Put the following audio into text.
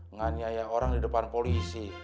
menganiaya orang di depan polisi